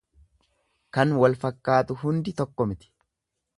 Kan wal fakkaatu hundi tokko miti.